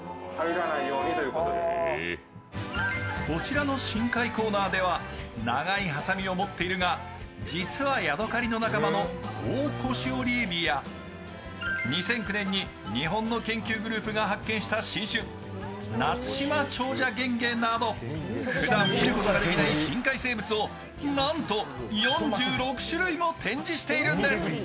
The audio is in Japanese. こちらの深海コーナーでは長いはさみを持っているが実はヤドカリの仲間のオオコシオリエビや２００９年に日本の研究グループが発見した新種、ナツシマチョウジャゲンゲなど、ふだん見ることができない深海生物をなんと４６種類も展示しているんです。